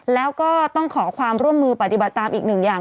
แล้วก็ต้องขอความร่วมมือปฏิบัติตามอีกหนึ่งอย่าง